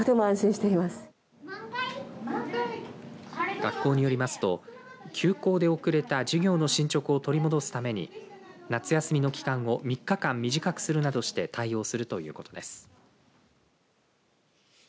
学校によりますと休校で遅れた授業の進捗を取り戻すために夏休みの期間を３日間短くするなどして対応するということです。